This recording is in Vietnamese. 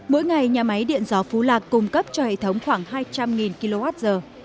mỗi ngày nhà máy điện gió phú lạc cung cấp cho hệ thống khoảng hai trăm linh kwh